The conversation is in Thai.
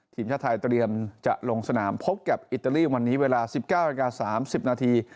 ทีมชาติไทยเตรียมจะลงสนามพบกับอิตาลีวันนี้เวลา๑๙นาที๓๐นาที